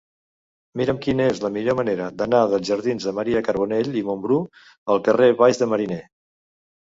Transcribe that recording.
Mira'm quina és la millor manera d'anar dels jardins de Maria Carbonell i Mumbrú al carrer Baix de Mariner.